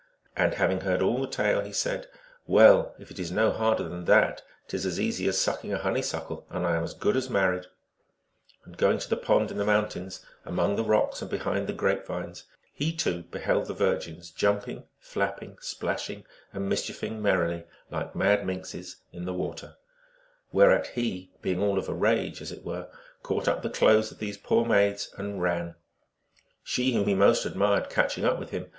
And having heard all the tale, he said, " Well, if it is no harder than that, t is as easy as sucking a honey suckle, and I am as good as married." And going to the pond in the mountains, among the rocks and behind the grapevines, he too beheld the virgins jump ing, flapping, splashing, and mischieving merrily, like mad minxes, in the water ; whereat he, being all of a rage, as it were, caught up the clothes of these poor maids and ran ; she whom he most admired catching up with him.